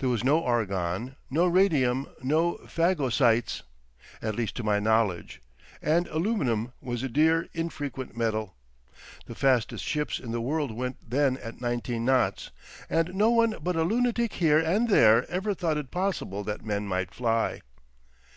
There was no argon, no radium, no phagocytes—at least to my knowledge, and aluminium was a dear, infrequent metal. The fastest ships in the world went then at nineteen knots, and no one but a lunatic here and there ever thought it possible that men might fly.